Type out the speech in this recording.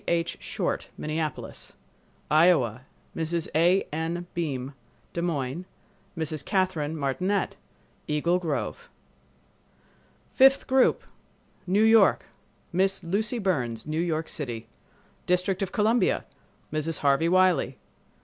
H. Short, Minneapolis. Iowa—Mrs. A. N. Beim, Des Moines; Mrs. Catherine Martinette, Eagle Grove. Fifth Group New York—Miss Lucy Burns, New York City. District of Columbia—Mrs. Harvey Wiley.